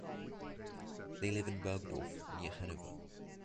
They live in Burgdorf near Hanover.